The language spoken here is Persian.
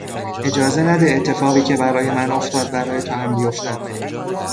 اجازه نده اتفاقی که برای من افتاد، برای تو هم بیفتد.